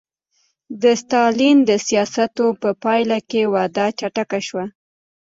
د ستالین د سیاستونو په پایله کې وده چټکه شوه